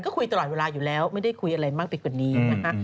ก็คุยตลอดเวลาอยู่แล้วไม่ได้คุยอะไรมากไปกว่านี้นะคะ